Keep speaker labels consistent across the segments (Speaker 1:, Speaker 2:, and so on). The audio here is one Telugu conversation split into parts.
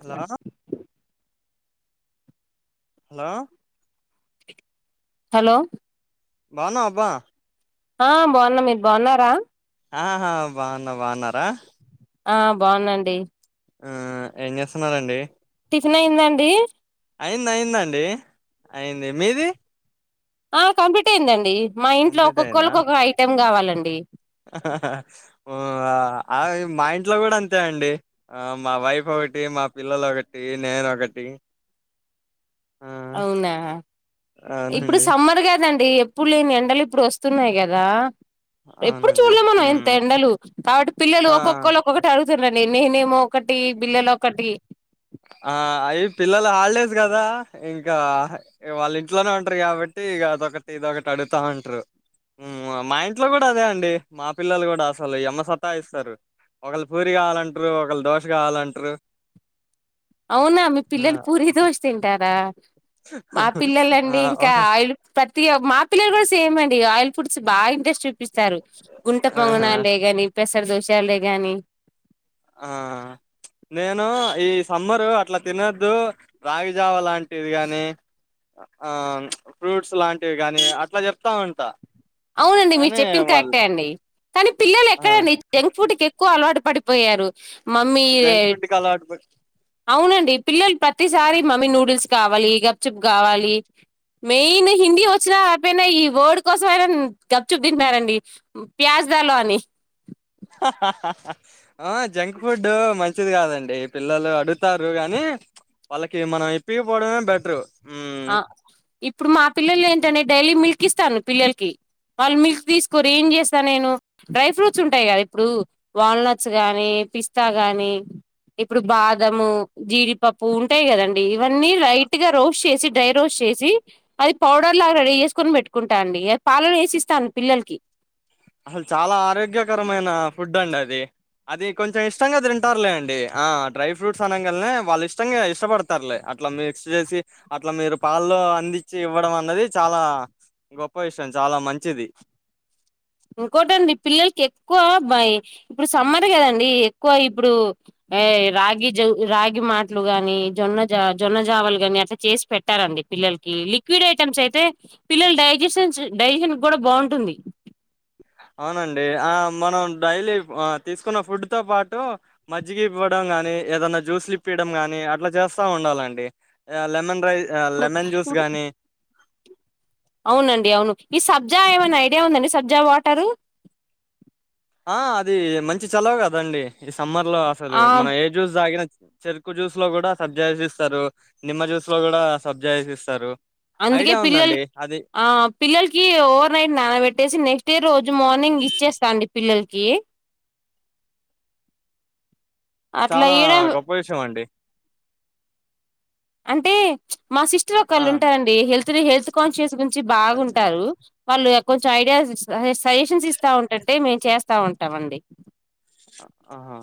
Speaker 1: హలో హలో
Speaker 2: హలో
Speaker 1: బావున్నావ అబ్బా
Speaker 2: ఆ బావున్నా మీరు బావున్నారా
Speaker 1: ఆహా బావున్న బావున్నారా
Speaker 2: ఆ బావున్న అండి
Speaker 1: ఆ ఏం చేస్తున్నారు అండి
Speaker 2: టిఫిన్ అయిందా అండి
Speaker 1: అయింది అయిందండి అయింది మీదీ
Speaker 2: ఆ కంప్లీట్ అయిందండి మా ఇంట్లో ఒక్కొక్కోలకు ఒక్క ఐటెం కావాలి అండి
Speaker 1: హ హా ఉ ఆ మా ఇంట్లో కూడా అంతే అండి మా వైఫ్ ఒకటి మా పిల్లలు ఒకటి నేను ఒకటి ఆ
Speaker 2: అవునా ఇప్పుడు
Speaker 1: అవునండి
Speaker 2: సమ్మర్ గదండి ఎప్పుడు లేని ఎండలు ఇప్పుడు వస్తున్నాయి గదా ఎప్పుడు
Speaker 1: అవునండి
Speaker 2: చూడలే మనం ఇంత
Speaker 1: ఉమ్.
Speaker 2: ఎండలు కాబట్టి పిల్లలు
Speaker 1: ఆ
Speaker 2: ఒక్కోక్కోలు ఒక్కొక్కటి అడు [unintelligible] అండి నేనేమో ఒకటి బిల్లలు ఒకటి
Speaker 1: ఆ అయి పిల్లలు హాలిడేస్ కదా ఇంకా వాళ్ళ ఇంట్లోనే ఉంటారు. కాబట్టి ఇగ అదొకటి ఇదొకటి అడుగుతా ఉంటరు. మా ఇంట్లో కూడా అదే అండి మా పిల్లలు కూడా అసలు ఎమ సతాయిస్తారు. ఒకలు పూరి కావాలంటరు ఒకలు దోశ కావాలంటరు.
Speaker 2: అవునా మీ పిల్లలు పూరి దోశ తిన్ [unintelligible] మా
Speaker 1: ఆ,
Speaker 2: పిల్లలండి ఇంకా
Speaker 1: ఒక
Speaker 2: ఆయిల్ ప్రతి మా పిల్లలు కూడా సేమ్ అండి ఆయిల్ ఫుడ్ బా ఇంట్రెస్ట్ చుప్ చూపిస్తారు గుంట
Speaker 1: ఆహా
Speaker 2: పొంగనలేగని పెసర్ దోషాలే గాని
Speaker 1: ఆ నేను ఈ సమ్మరు అట్లా తినొద్దు రాగిజావ లాం ఇదిగని ఆ ఫ్రూట్స్ లాంటివి గాని అట్లా చెప్తా ఉంటా
Speaker 2: అవునండి మీరు
Speaker 1: కానీ
Speaker 2: చెప్పింది
Speaker 1: వాళ్ళు
Speaker 2: కరెక్టే అండి కానీ పిల్లలు
Speaker 1: ఆ
Speaker 2: ఎక్కడండి జంక్ ఫుడ్ కి ఎక్కువ అలవాటు పడిపోయారు మమ్మీ
Speaker 1: జంక్ ఫుడ్ కి అలవాటు పడి
Speaker 2: అవునండి పిల్లలు ప్రతిసారి మమ్మీ నూడిల్స్ కావాలి. గప్చూప్ గావాలి మెయిన్ హిందీ వచ్చిన రాకపోయినా ఈ వర్డ్ కోసం అయినా గప్చూప్ తింటున్నరండి. ప్యాజ్ దలో అని
Speaker 1: ఆ జంక్ ఫుడ్ మంచిది కాదండి పిల్లలు అడుగుతారు. గానీ వాళ్ళకి మనం ఇప్పియకపోవడమే బెటరు హ్మ్
Speaker 2: ఆ ఇప్పుడు మా పిల్లలు ఏంటనే డైలీ మిల్క్ ఇస్తాను. పిల్లలకి వాళ్ళు మిల్క్ తీసుకోరు ఏం చేస్తాను. నేను డ్రై ఫ్రూట్స్ ఉంటాయి. కదా ఇప్పుడు వాల్నట్స్ గాని పిస్తా గానీ ఇప్పుడు బాదము జీడిపప్పు ఉంటాయి. గాధ అన్ ఇవన్నీ రైట్ గా రోస్ట్ చేసి డ్రై రోస్ట్ చేసి అది పౌడర్ లాగా రెడీ చేసుకొని పెట్టుకుంటా అండి పాలలో వేసిస్తాను పిల్లలకి
Speaker 1: అసలు చాలా ఆరోగ్యకరమైన ఫుడ్ అండి అది అది కొంచెం ఇష్టంగా తింటారులే అండి ఆ డ్రై ఫ్రూట్స్ అనంగాలనే వాళ్ళు ఇష్టంగా ఇష్టపడతారులే అట్లా మిక్స్ చేసి అట్లా మీరు పాల్లో అందించి ఇవ్వడం అన్నది చాలా గొప్ప విషయం చాలా మంచిది.
Speaker 2: ఊరుకోవదండి పిల్లలకి ఎక్కువ బయి ఇప్పుడు సమ్మర్ కదండి. ఎక్కువ ఇప్పుడు రాగి జ రాగి మాట్లూ గాని జొన్న జా జొన్న జావలు గని అట్లా చేసి పెట్టాలండి. పిల్లలకి లిక్విడ్ ఐటెమ్స్ అయితే పిల్లల డైజెషన్ డైజెషన్ కూడా బాగుంటుంది.
Speaker 1: అవునండీ ఆ మనం డైలీ ఆ తీసుకున్న ఫుడ్ తో పాటూ మజ్జిగ ఇవ్వడం గానీ ఏదన్నా జ్యూస్లు ఇప్పియడం గానీ అట్లా చేస్తా ఉండాలండి. లెమన్ రై
Speaker 2: ఇప్పుడు
Speaker 1: లెమన్ జ్యూస్ గానీ
Speaker 2: అవునండి అవును ఈ సబ్జా ఏమైనా ఐడియా ఉందండి సబ్జా వాటరు.
Speaker 1: ఆ అదీ మంచి చలవకదండి. ఈ సమ్మర్ లో అసలూ
Speaker 2: ఆ
Speaker 1: మన ఏ జూస్ దాగిన చెరుకు జ్యూస్ లో కూడా సబ్జా ఏసిస్తరూ, నిమ్మ జ్యూస్ లో కూడా సబ్జా ఏసిస్తరూ.
Speaker 2: అందుకే పిల్లలక్ ఆ పిల్లలకీ ఓవర్ నైట్ నాన పెట్టేసి నెక్స్ట్ డే రోజు మార్న నింగ్ ఇచ్చేస్తా అండి పిల్లలకీ. అట్లా
Speaker 1: చాలా
Speaker 2: ఇయడం
Speaker 1: గొప్ప విషయం అండి.
Speaker 2: అంటే ప్చ్ మా సిస్టర్
Speaker 1: ఆ ఆ
Speaker 2: ఒకళ్ళు ఉంటారండీ హెల్త్ ది హెల్త్ కాన్షియస్ గురించి
Speaker 1: ఆ,
Speaker 2: బాగుంటారూ.
Speaker 1: చిన్నప్పుడు
Speaker 2: వాళ్ళు ఎక్ కొంచెం ఐడియాస్ ఇస్ సజెషన్స్ ఇస్తా ఉంటంటే మేమ్ చేస్తా ఉంటాం అండి.
Speaker 1: ఆహా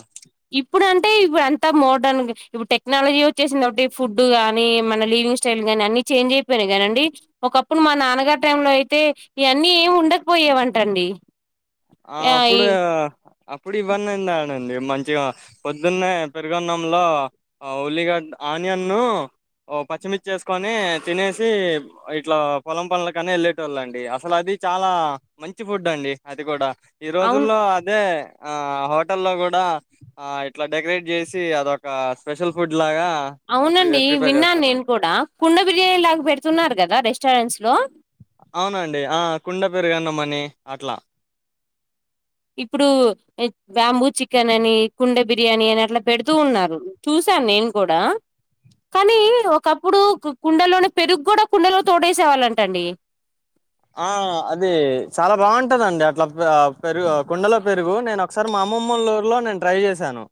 Speaker 2: ఇప్పుడు అంటే ఇప్పుడు అంత మోడర్న్ ఇప్పుడు టెక్నాలజీ వచ్చేసింది కాబట్టి ఫుడ్ గానీ మన లివింగ్ స్టైల్ గాని అన్ని చేంజ్ అయిపోయినయి కదండి. ఒకప్పుడు మా నాన్నగారి టైం లో అయితే ఇవన్నీ ఏమి ఉండకపోయేవంటండి.
Speaker 1: ఆ అప్పుడే అప్పుడు ఇవన్నీ ఉండాడండి మం మంచిగా పొద్దున్నే పెరుగన్నంలో ఉల్లిగడ్డ ఆనియన్నూ ఓ పచ్చిమిర్చి ఏసుకొనీ తినేసీ ఇట్లా పొలం పనులకనే వెళ్ళేటోళ్ళండి అసలు అది చాలా మంచి ఫుడ్ అండి. అద్ ద్ గూడా ఈ
Speaker 2: అవును
Speaker 1: రోజుల్లో అదే ఆ హోటల్లో కూడా ఆ ఇట్లా డెకరేట్ చేసీ అదొకా స్పెషల్ ఫుడ్ లాగా ప్రి
Speaker 2: అవునండీ
Speaker 1: ప్రిపేర్
Speaker 2: విన్నాన్ నేను
Speaker 1: చేస్తారండి
Speaker 2: కూడా కుండ బిర్యానీ లాగా పెడుతున్నారు కదా రెష్ స్టారెంట్స్ లో
Speaker 1: అవునండి ఆ కుండ పెరుగన్నమ్మనీ అట్లా
Speaker 2: ఇప్పుడూ బ్యాంబూ చికెన్ అనీ, కుండె బిర్యాని అని అట్లా పెడుతూ ఉన్నారు. చూసాను నేను కూడా, కానీ ఒకప్పుడు కుండలోనే పెరుగు కూడా కుండలో తోడేసేవాళ్ళంటండి.
Speaker 1: ఆ అది చాలా బాగుంటదండి అట్ల ఆ పెరుగు కుండలో పెరుగూ నేను ఒకసారి మా అమ్మమ్మలూరులో నేను ట్రై చేశాను.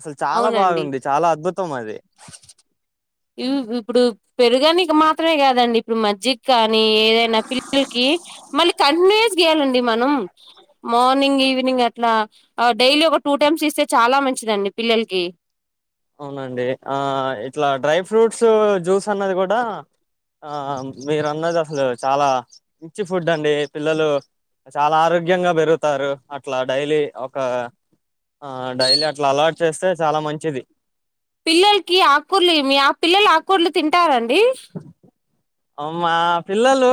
Speaker 1: అసలు చాలా
Speaker 2: అవునండి
Speaker 1: బాగుంది చాలా అద్భుత్ తం అదీ
Speaker 2: ఇ ఇప్పుడు పెరుగని ఇక మాత్రమే కాదండి ఇప్పుడు మజ్జిగ్ కా నీ ఏదైనా పిల్లలకీ మల్లి కంటిన్యూస్ గీయాలండి మనం. మార్నింగ్ ఈవినింగ్ అట్లా డైలీ ఒక టూ టైమ్స్ ఇస్తే చాలా మంచిదండి పిల్లలకీ.
Speaker 1: అవునండి, ఆ ఇట్లా డ్రై ఫ్రూట్స జ్యూస్ అన్నది కూడా, ఆ మీరు అన్నది అసలు చాలా మంచి ఫుడ్ అండీ, పిల్లలు చాలా ఆరోగ్యంగా పెరుగుతారు అట్లా డైలీ ఒకా ఆ డైలీ అట్లా అలవాట్ చేస్తే చాలా మంచిది.
Speaker 2: పిల్లల్ కీ ఆకూర్ల ఇ మీ ఆ పిల్లలు ఆకూరళ్లు తింటారండి.
Speaker 1: మా పిల్లలూ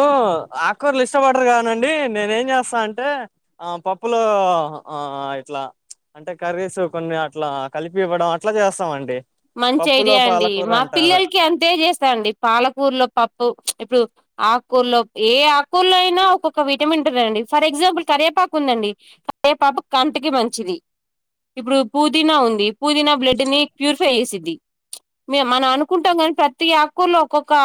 Speaker 1: ఆకూర్లు ఇష్టపడరు కానండి నేనేం చేస్తా అంటే, ఆ పప్పులో ఆ ఇట్లా ప్చ్ అంటే కర్రీస్ కొన్ని అట్లా కలిపి ఇవ్వడం అట్లా చేస్తామండి.
Speaker 2: మంచి
Speaker 1: పప్పులో
Speaker 2: ఐడియా అండీ,
Speaker 1: పాలకూర
Speaker 2: మా
Speaker 1: అంటారు
Speaker 2: పిల్లలకి అంతే చేస్తా అండి పాలక్ కూర్లో పప్పు ప్చ్ ఇప్పుడు ఆకూర్లో ఏ ఆకూర్లో అయినా ఒక్కొక్క విటమిన్ ఉంటదండి. ఫర్ ఎగ్జాంపుల్ కరేపాకు ఉందండి కరేపాకు కంటికి మంచిది. ఇప్పుడు పుదీనా ఉంది పుదీనా బ్లడ్ ని ఫ్యూరీ ఫ్ ఫై చేసిద్ది. ప్చ్ మేమ్ మనం అనుకుంటాం కాని ప్రతీ ఆకూర్లో ఒక్కొక్కా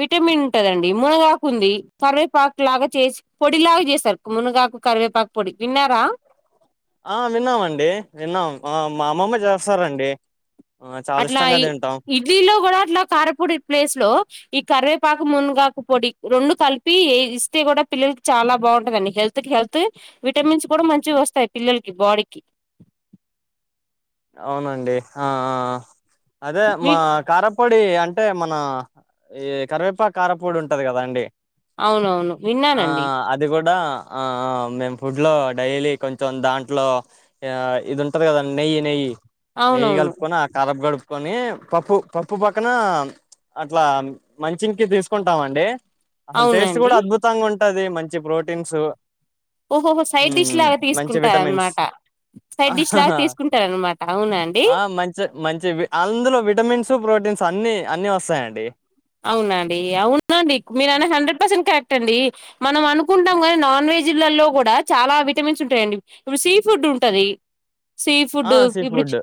Speaker 2: విటమిన్ ఉంటదండి. మునగాకు ఉందీ కరివేపాక్ లాగా చేస్ పొడిలాగా చేస్తరు, మునగాకు కరివేపాకు పొడి విన్నారా.
Speaker 1: ఆ విన్నామండీ, విన్నాం ఆ మా అమ్మమ్మ చేస్తారండి. ఆ చాలా
Speaker 2: అట్లా
Speaker 1: ఇష్టంగా తింటాం
Speaker 2: ఇడ్లీలో కూడ, అట్లా కారపూడి ప్లేస్ లో, ఈ కరవేప్ పాకు మున్నగాకు పొడి రెండు కలిపి ఇస్తే కూడా పిల్లలకి చాలా బాగుంటదండి. హెల్త్ కి హెల్త్ విటమిన్స్ కూడా మంచిగ వస్తాయి. పిల్లలకి బాడీకి
Speaker 1: అవునండి ఆ ఆ అదే
Speaker 2: మీ
Speaker 1: మా కారం పొడి అంటే అంటే మన ఈ కరివేపాకు కారంపోడి ఉంటది కదా అండి
Speaker 2: అవునవును
Speaker 1: ఆ
Speaker 2: విన్నానండి
Speaker 1: అది కూడా మేము ఫుడ్ లో డైలి కొంచెం దాంట్లో ఇది ఉంటది కద అండి నెయ్యి నెయ్యి
Speaker 2: అవునవును
Speaker 1: గల్పుకోని కారబ్ గడు కని పప్పు పప్పు పక్కన అట్లా మంచింగ్ కి తీసుకుంటాం అండి అసలు టేస్ట్ కూడ
Speaker 2: అవునండి
Speaker 1: అద్భుతంగ ఉంటది మంచి మంచి ప్రోటీన్స్
Speaker 2: ఓహోహో సైడ్ డిష్ లాగా
Speaker 1: మంచి
Speaker 2: తీసుకుంటారు
Speaker 1: విటమిన్స్
Speaker 2: అన్నమాట. సైడ్ డిష్ లాగా తీసుకుంటారు.
Speaker 1: ఆ మంచి మంచి వి అందులో విటమిన్స్ ప్రోటీన్స్ అన్ని అన్ని వస్తాయండి
Speaker 2: అవునండి అవునండి మీరన్నది హండ్రెడ్ పర్సెంట్ కరెక్ట్ అండి మనం అనుకుంటాం కాని, నాన్ వెజ్లలో కూడ చాల విటమిన్స్ ఉంటాయండి. ఇప్పుడు సీ ఫుడ్ ఉంటది సీ
Speaker 1: ఆ
Speaker 2: ఫుడ్
Speaker 1: సీ
Speaker 2: ఇపుడు
Speaker 1: ఫుడ్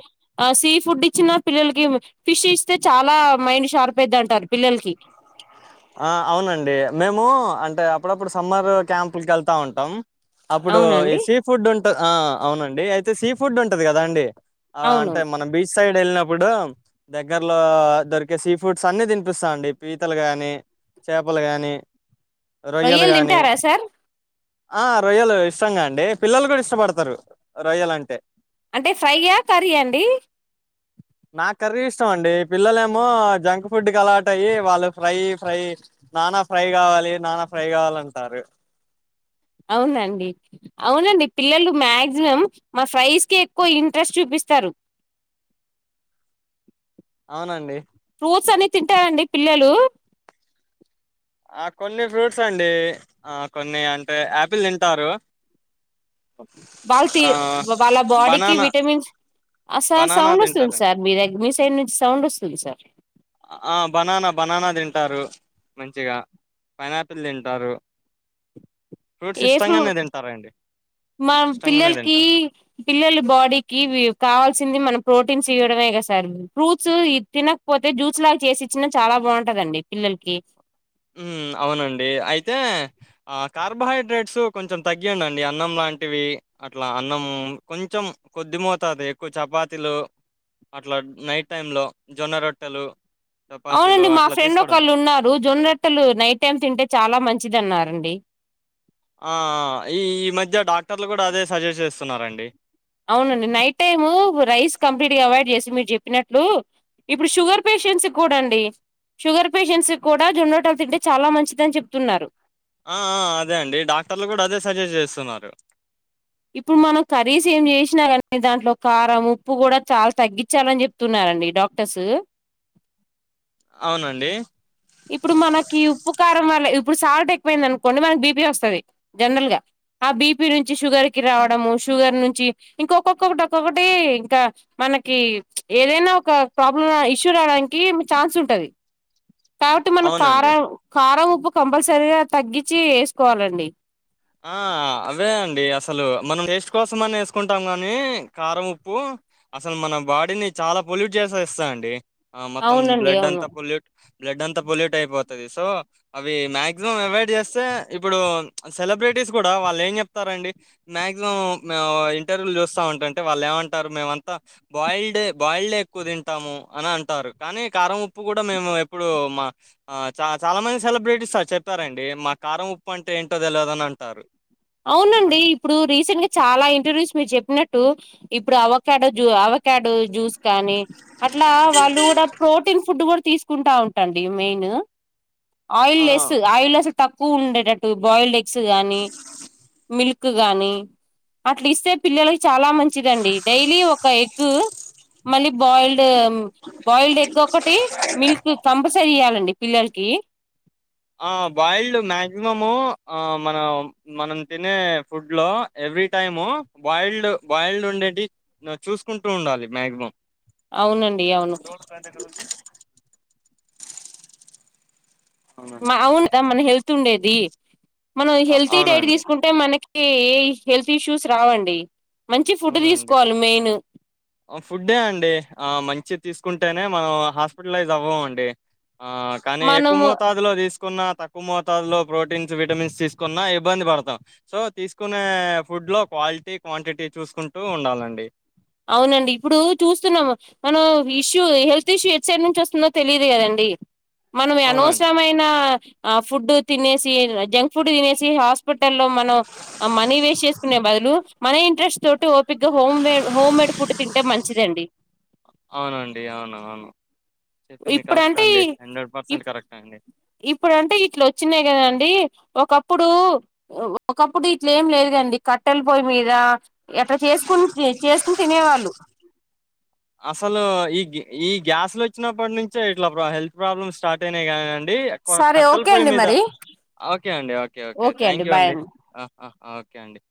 Speaker 2: సీ ఫుడ్ ఇచ్చిన పిల్లలకి ఫిష్ ఇస్తే, చాలా మైండ్ షార్ప్ అయిద్ది అంటారు. పిల్లలకి
Speaker 1: ఆ అవునండి మేము అంటే అప్పుడప్పుడు సమ్మర్ క్యాంపులకి వెళ్తా ఉంటాం. అప్పుడు ఈ
Speaker 2: అవునండి
Speaker 1: సీ ఫుడ్ ఉంటె ఆ అవునండి అయితే సీ ఫుడ్ ఉంటది కదా అండి ఆ
Speaker 2: అవును
Speaker 1: అంటే మన బీచ్ సైడ్ వెళ్ళినప్పుడ్ ఇప్పుడు దగ్గర్లో దొరికే సీ ఫుడ్స్ అన్ని తినిపిస్తా అండి పీతలు గాని చేపలు గాని
Speaker 2: రొయ్యలు తింటారా సార్
Speaker 1: ఆ రొయ్యలు ఇష్టంగా అండి పిల్లలు కూడా ఇష్టపడతారు. రొయ్యలు అంటె
Speaker 2: అంటే ఫ్రైయా కర్రీ అండి
Speaker 1: నాకు కర్రీ ఇష్టం అండి పిల్లలు ఏమో జంక్ ఫుడ్ కి అలవాటయి వాళ్ళు ఫ్రై ఫ్రై నానా ఫ్రై కావాలి నానా ఫ్రై కావాలంటారు.
Speaker 2: అవునండి అవునండి పిల్లలు మాక్సిమం మా ఫ్రైస్ కే ఎక్కువ ఇంట్రెస్ట్ చూపిస్తారు.
Speaker 1: అవునండి
Speaker 2: పూర్స్ అన్ని తింటారండి పిల్లలు
Speaker 1: ఆ కొన్ని ఫ్రూట్స్ అండి ఆ కొన్ని అంటే ఆపిల్ తింటారు.
Speaker 2: వాళ్ళ తీ
Speaker 1: ఆ
Speaker 2: వాళ్ళ బాడీకి
Speaker 1: banana
Speaker 2: vitamins sir
Speaker 1: banana
Speaker 2: sound వస్తుంది
Speaker 1: తింటారండి
Speaker 2: సార్ మీ ద సైన్ నుంచి సౌండ్ వస్తుంది సార్
Speaker 1: ఆ బనానా బనానా తింటారు మంచిగా పైనాపిల్ తింటారు ఫ్రూట్స్
Speaker 2: ఏ ఫ్రూ
Speaker 1: ఇష్టంగానే తింటారండి
Speaker 2: మన
Speaker 1: ఇష్టంగానే
Speaker 2: పిల్లలకి
Speaker 1: తింటారు
Speaker 2: పిల్లల బాడీకి కావాల్సింది మనం ప్రోటీన్ టిన్స్ ఇవ్వడమే కద సార్ ఫ్రూట్స్ తినకపోతే జ్యూస్ లాగా చేసి ఇచ్చినా చాలా బాగుంటదండి పిల్లలకి
Speaker 1: ఉమ్ అవునండి అయితే ఆ కార్బోహైడ్రేట్స్ కొంచెం తగ్గియండండి అన్నం లాంటివి అట్లా అన్నం కొంచెం కొద్దిమోతాదే ఎక్కువ చపాతీలు అట్లా నైట్ టైం లో జొన్న రొట్టెలు చపాతీలు
Speaker 2: అవునండి మా
Speaker 1: అట్లా
Speaker 2: ఫ్రెండ్
Speaker 1: తీసుకోవడం
Speaker 2: ఒకళ్ళు ఉన్నారు జొన్న రో జొన్నట్టలు నైట్ టైమ్ తింటే చాలా మంచిది అన్నారండి
Speaker 1: ఆ ఈ ఈ మధ్య డాక్టర్లు కూడా అదే సజెస్ట్ చేస్తున్నారండి
Speaker 2: అవునండి నైట్ టైము రైస్ కంప్లీట్ గా అవాయిడ్ చేసి మీరు చెప్పినట్లు ఇప్పుడు షుగర్ పేషెంట్స్ కూడా అండి షుగర్ పేషెంట్స్ కూడా జొన్నోటలు తింటే చాలా మంచిదని చెప్తున్నారు
Speaker 1: ఆ ఆ అదే అండి డాక్టర్లు కూడా అదే సజెస్ట్ చేస్తున్నారు
Speaker 2: ఇప్పుడు మనం కర్రీస్ ఏం చేసినా కానీ దాంట్లో కారం ఉప్పు కూడా చాలా తగ్గించాలని చెప్తున్నరండి డాక్టర్స్
Speaker 1: అవునండి
Speaker 2: ఇప్పుడు మనకి ఉప్పు కారం వల్ల ఇప్పుడు సాల్ట్ ఎక్కువైంది అనుకోండి మనకి బీపీ వస్తుంది జనరల్ గా ఆ బీపీ నుంచి షుగర్ కి రావడము షుగర్ నుంచి ఇంక ఒక్కొక్కొక్కటి ఒక్కొక్కటి ఇంకా మనకి ఏదైనా ఒక ప్రాబ్లం ఇష్యూ రావడానికి ఛాన్స్ ఉంటది కాబట్టి మన
Speaker 1: అవునండి.
Speaker 2: కారం కారం ఉప్ ఉప్పు కంపల్సరీగా తగ్గించి ఎసుకోవాలండి
Speaker 1: ఆ అవే అండి అసలు మనం టేస్ట్ కోసం అని వేసుకుంటాం కానీ కారం ఉప్పు అసలు మన బాడీని చాలా పొల్యూట్ చేసేస్థాయి అండి ఆ మెత్తం
Speaker 2: అవునండి
Speaker 1: బ్లడ్
Speaker 2: అవును
Speaker 1: అంతా పొల్యూట్ బ్లడ్ అంతా పొల్యూట్ అయిపోతది సో అవి మాక్సిమం యావైడ్ చేస్తే ఇప్పుడు సెలబ్రిటీస్ కూడా వాళ్ళు ఏం చెప్తారండి మాక్సిమం ఇంటర్వ్యూలు చూస్తా ఉంటంటే వాళ్ళు ఏమంటారు మేమంతా బాయిల్డ్ బాయిల్డే ఎక్కువ తింటాము అని అంటారు కానీ కారం ఉప్పు కూడా మేము ఎప్పుడు మా చా చాలా మంది సెలబ్రిటీస్ చెప్పారండి మా కారం ఉప్పు అంటే ఏంటి ట్ట తెలదని అంటారు
Speaker 2: అవునండి ఇప్పుడు రీసెంట్ గా చాలా ఇంటర్వ్యూస్ మీరు చెప్పినట్టు ప్పుడు ఇప్పుడు అవకాడో జు అవక్ కాడ్ జూస్ కానీ అట్లా వాళ్ళు కూడా ప్రోటీన్ ఫుడ్ కూడా తీస్ కుంటా ఉంటండి మెయిన్ ఆయిల్
Speaker 1: ఆ
Speaker 2: లెస్ ఆయిల్ లెస్ తక్కువ ఉండేటట్టు బాయిల్డ్ ఎగ్ ఎక్స్ కానీ మిల్క్ గాని అట్లా ఇస్తే పిల్లలకి చాలా మంచిదండి డైలీ ఒక ఎగ్ మళ్ళీ బాయిల్ అంటే బాయిల్డ్ ఎగ్ ఒకటి మిల్క్ కంపల్సరీ ఇయాలండి పిల్లలకి
Speaker 1: ఆ బాయిల్డ్ మాక్సిమం మన మనం తినే ఫుడ్ లో ఎవ్రీ టైము బాయిల్డ్ బాయిల్డ్ ఉండేది చూసుకుంటూ ఉండాలి మాక్సిమం
Speaker 2: అవునండి అవును
Speaker 1: డోంట్ రూల్స్
Speaker 2: మా
Speaker 1: అవునండి
Speaker 2: అవును మన హెల్త్ తుండేది మనం
Speaker 1: అ
Speaker 2: హెల్తీ డైట్
Speaker 1: అవునండి
Speaker 2: తీసుకుంటే మనకి ఈ హెల్త్ ఇష్యూస్ రావండి మంచి ఫుడ్
Speaker 1: అవునండి
Speaker 2: తీసుకోవాలి మెయిన్
Speaker 1: ఫుడ్ ఎ అండి ఆ మంచి తీసుకుంటేనే మనం హాస్పిటలైజ్ అవ్వం అండి ఆ కానీ ఎక్కువ
Speaker 2: మనము
Speaker 1: మూతాదులో తీసుకు కున్నా తక్కువ మోతా లో ప్రోటీన్స్ విటమిన్స్ తీసుకున్నా ఇబ్బంది పడతాం సో తీసుకునే ఫుడ్ లో క్వాలిటీ క్వాంటిటీ చూసుకుంటూ ఉండాలండి
Speaker 2: అవునండి ఇప్పుడూ చూస్తున్నాము మనం హీష్ ట్యూ హెల్త్ ఇష్యూ ఎట్ సైడ్ నుంచి వస్తుందో తెలియదు కదండి మనవి
Speaker 1: అవునండి
Speaker 2: అనవసరమైన ఆ ఫుడ్ తినేసి జంక్ ఫుడ్ తినేసి హాస్పిటల్ లో మనం మనీ వేస్ట్ చేసుకునే బదులు మన ఇంట్రెస్ట్ తోటి ఓపిగ్గా హోమ్మేడ్ ఫుడ్ తింటే మంచిదండి
Speaker 1: అవునండి అవును అవును చెప్పింది కరెక్ట్
Speaker 2: ఇప్పుడంటే
Speaker 1: అండి.
Speaker 2: ఇ ఇప్ప్
Speaker 1: కరెక్ట్ అండి.
Speaker 2: ఇప్పుడంటే ఇట్ల వచ్చినాయి కదండి ఒకప్పుడూ ఒకప్పుడు ఇట్లేం లేదు కండి కట్టెల పొయ్ మీద ఎట్లా చేసుకుని చేసుకుని తినేవాళ్ళు
Speaker 1: అసలు ఈగ్యా ఈ గ్యాస్లు వచ్చినప్పటి నుంచే ఇట్లా ప్రా హెల్త్ ప్రాబ్లమ్స్ స్టార్ట్ అయినాయి కానీ ండి ఎక్కువ
Speaker 2: సరే
Speaker 1: కట్టల
Speaker 2: ఓకే
Speaker 1: పొయ్యి
Speaker 2: అండి
Speaker 1: మీద
Speaker 2: మరి
Speaker 1: ఓకే అండి ఓకే ఓకే థ్యాంక్ యూ అండి అ అ ఓకే అండి